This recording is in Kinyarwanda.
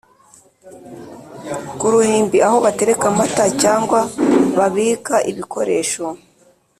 ku ruhimbi : aho batereka amata cyangwa babika ibikoresho